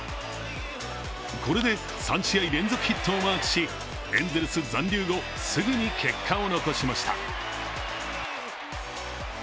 これで３試合連続ヒットをマークしエンゼルス残留後、すぐに結果を残しました。